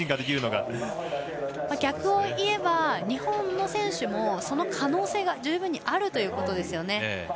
逆を言えば日本の選手もその可能性が十分にあるということですよね。